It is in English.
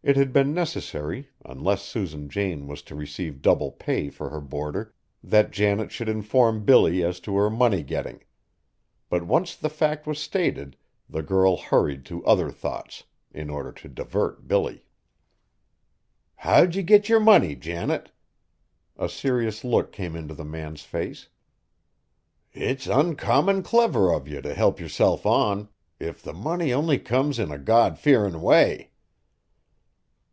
It had been necessary, unless Susan Jane was to receive double pay for her boarder, that Janet should inform Billy as to her money getting; but once the fact was stated, the girl hurried to other thoughts, in order to divert Billy. "How'd ye get yer money, Janet?" A serious look came into the man's face. "It's uncommon clever of ye t' help yerself on; if the money only comes in a God fearin' way!"